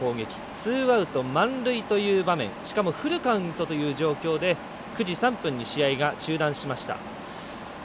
ツーアウト、満塁という場面しかもフルカウントという状況で９時３分に試合が中断しました。